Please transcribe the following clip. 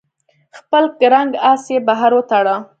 خپل کرنګ آس یې بهر وتاړه.